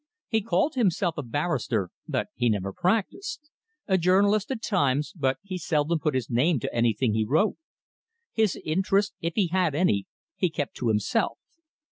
He called himself a barrister, but he never practised; a journalist at times, but he seldom put his name to anything he wrote. His interests, if he had any, he kept to himself.